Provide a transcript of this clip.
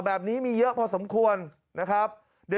แบบนี้มีเยอะพอสมควรนะครับ